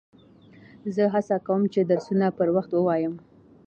زه هڅه کوم، چي درسونه پر وخت ووایم.